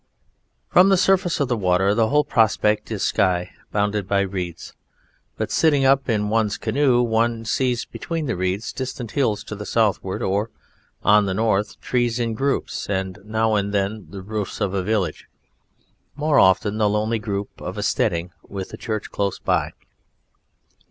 From the surface of the water the whole prospect is sky, bounded by reeds; but sitting up in one's canoe one sees between the reeds distant hills to the southward, or, on the north, trees in groups, and now and then the roofs of a village; more often the lonely group of a steading with a church close by.